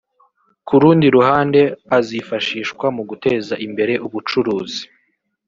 ku rundi ruhande azifashishwa mu guteza imbere ubucuruzi